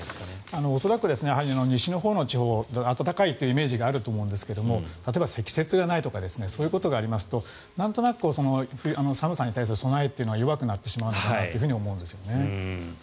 恐らく西のほうの地方は暖かいというイメージがあると思うんですが例えば、積雪がないとかそういうことがありますとなんとなく寒さに対する備えが弱くなってしまうのかなと思うんですね。